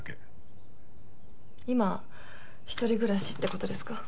今一人暮らしって事ですか？